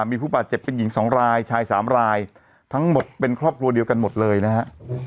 มีผู้บาดเจ็บเป็นหญิง๒รายชายสามรายทั้งหมดเป็นครอบครัวเดียวกันหมดเลยนะฮะ